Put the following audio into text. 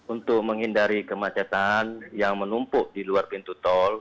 untuk menghindari kemacetan yang menumpuk di luar pintu tol